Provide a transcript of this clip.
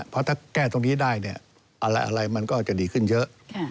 เพราะถ้าแก้ตรงนี้ได้เนี่ยอะไรมันก็จะดีขึ้นเยอะ